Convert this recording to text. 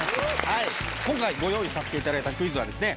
今回ご用意させていただいたクイズはですね。